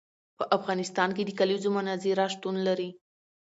په افغانستان کې د کلیزو منظره شتون لري.